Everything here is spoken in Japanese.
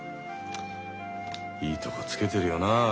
いいとこつけてるよなあ